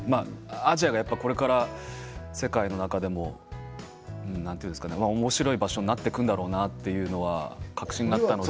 アジアはこれから世界の中でもおもしろい場所になっていくんだろうなというのは確信があったので。